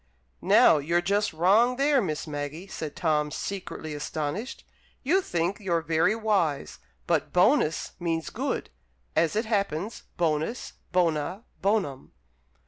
'" "Now, you're just wrong there, Miss Maggie!" said Tom, secretly astonished. "You think you're very wise. But 'bonus' means 'good,' as it happens 'bonus, bona, bonum.'"